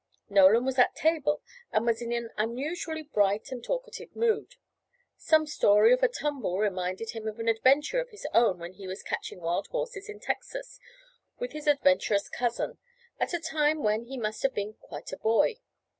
Nolan was at table, and was in an unusually bright and talkative mood. Some story of a tumble reminded him of an adventure of his own when he was catching wild horses in Texas with his adventurous cousin, at a time when he must have been quite a boy.